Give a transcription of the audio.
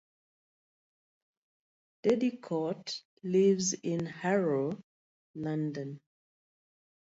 Dedicoat lives in Harrow, London.